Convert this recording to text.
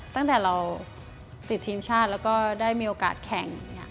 ตั้งแต่เราติดทีมชาติแล้วก็ได้มีโอกาสแข่ง